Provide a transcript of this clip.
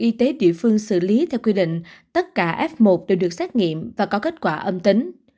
y tế địa phương xử lý theo quy định tất cả f một đều được xét nghiệm và có kết quả âm tính